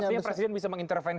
artinya presiden bisa menginterveng